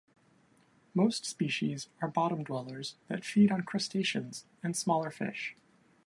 Most species are bottom-dwellers that feed on crustaceans and smaller fish.